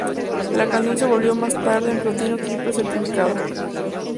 La canción se volvió más tarde en platino triple certificado.